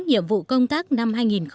nhiệm vụ công tác năm hai nghìn một mươi tám